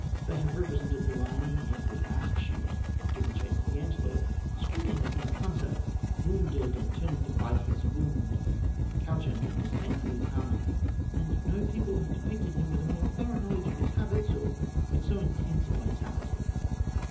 They have represented the lion in every attitude giving chase to the antelope; springing upon the hunter; wounded, and turning to bite his wound; couchant, and disdainfully calm and no people have depicted him with a more thorough knowledge of his habits, or with so intense a vitality.